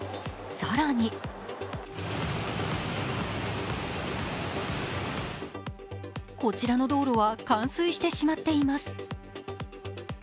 更にこちらの道路は冠水してしまっています。